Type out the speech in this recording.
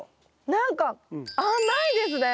何か甘いですね。